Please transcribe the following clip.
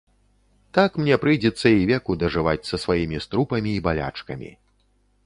Так мне прыйдзецца і веку дажываць са сваімі струпамі і балячкамі.